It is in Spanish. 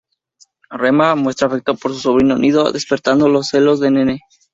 Rema muestra afecto por su sobrino Nino, despertando los celos de Nene.